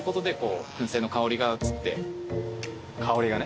香りがね。